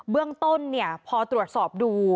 เบื้องต้นพอตรวจสอบดู